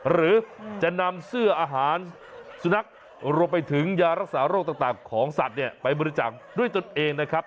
หรือจะนำเสื้ออาหารสุนัขรวมไปถึงยารักษาโรคต่างของสัตว์เนี่ยไปบริจาคด้วยตนเองนะครับ